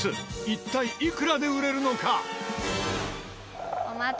一体いくらで売れるのか？